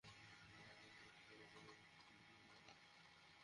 ওই টাকাগুলো তাদের জন্য।